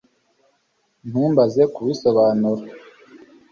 Ntumbaze kubisobanura